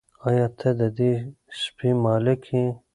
آیا ته د دې سپي مالیک یې؟